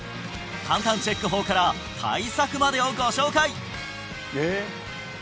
簡単チェック法から対策までをご紹介！